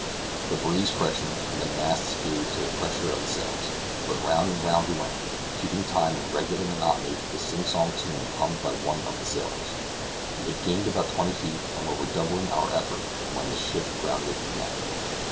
The breeze freshened, and the masts gave to the pressure of the sails, but round and round we went, keeping time in regular monotony to the sing song tune hummed by one of the sailors. We had gained about twenty feet, and were redoubling our efforts when the ship grounded again.